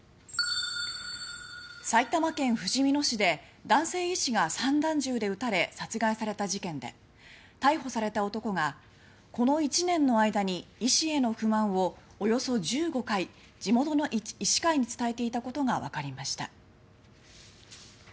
埼玉県ふじみ野市で男性医師が散弾銃で撃たれ殺害された事件で逮捕された男が、この１年の間に医師への不満をおよそ１５回地元の医師会に伝えていたことが分かりました。